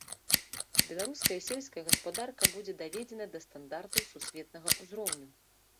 Беларуская сельская гаспадарка будзе даведзена да стандартаў сусветнага ўзроўню.